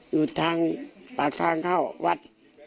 อยู่ทางปากทางเข้าวัด